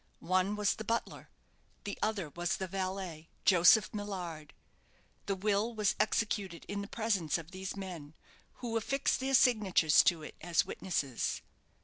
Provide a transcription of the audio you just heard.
One was the butler, the other was the valet, Joseph Millard. The will was executed in the presence of these men, who affixed their signatures to it as witnesses.